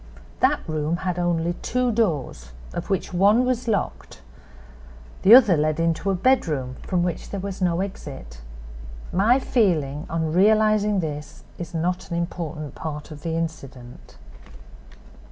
That room had only two doors, of which one was locked; the other led into a bedroom, from which there was no exit. My feeling on realizing this is not an important part of the incident.